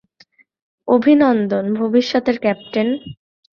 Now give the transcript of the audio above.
অভিনন্দন, ভবিষ্যতের ক্যাপ্টেন।